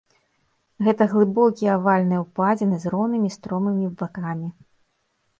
Гэта глыбокія авальныя ўпадзіны з роўнымі стромымі бакамі.